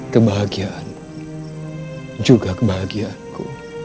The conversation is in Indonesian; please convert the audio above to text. kebahagiaanmu juga kebahagiaanku